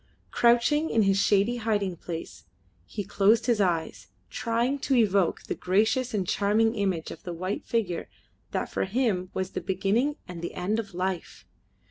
Crouching in his shady hiding place, he closed his eyes, trying to evoke the gracious and charming image of the white figure that for him was the beginning and the end of life.